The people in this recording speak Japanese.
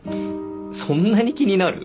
そんなに気になる？